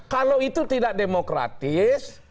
kalau itu tidak demokratis